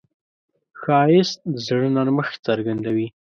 ښایست د زړه نرمښت څرګندوي